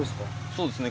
そうですね。